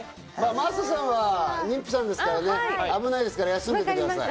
真麻さんは妊婦さんですから危ないですから休んでてください。